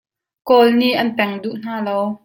Kawl nih an peng duh hna lo.